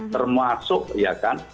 termasuk ya kan